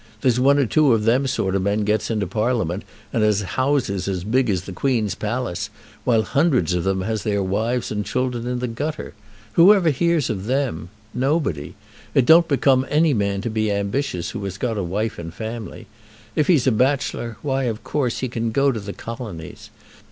There's one or two of them sort of men gets into Parliament, and has houses as big as the Queen's palace, while hundreds of them has their wives and children in the gutter. Who ever hears of them? Nobody. It don't become any man to be ambitious who has got a wife and family. If he's a bachelor, why, of course, he can go to the Colonies.